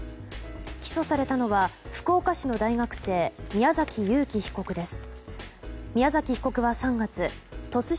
起訴されたのは、福岡市の大学生宮崎優希被告です。